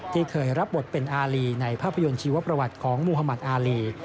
ที่เคยรับบทเป็นอารีในภาพยนตร์ชีวประวัติของมุธมัติอารี